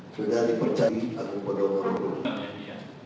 sudah dipercayai agung podong modo grup